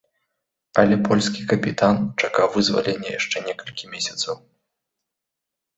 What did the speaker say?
Але польскі капітан чакаў вызвалення яшчэ некалькі месяцаў.